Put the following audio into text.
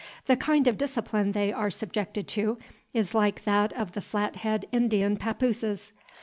The kind of discipline they are subjected to is like that of the Flat Head Indian pappooses.